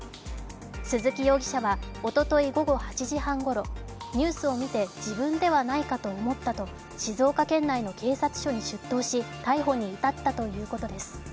鈴木容疑者はおととい午後８時半ごろ、ニュースを見て自分ではないかと思ったと静岡県内の警察署に出頭し、逮捕に至ったということです。